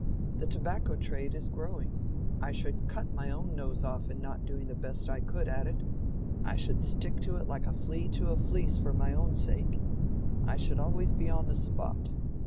The tobacco trade is growing. I should cut my own nose off in not doing the best I could at it. I should stick to it like a flea to a fleece for my own sake. I should always be on the spot.